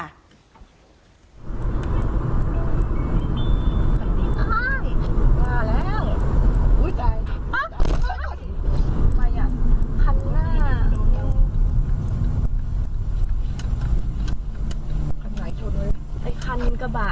ไอ้คันกระบะ